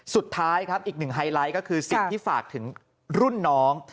สุดท้ายครับอีกหนึ่งไฮไลท์ก็คือสิ่งที่ฝากถึงรุ่นน้อง